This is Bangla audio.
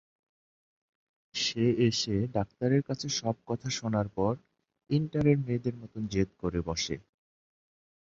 সে এসে ডাক্তারের কাছে সব কথা শোনার পর ইন্টারের মেয়েদের মতন জেদ করে বসে।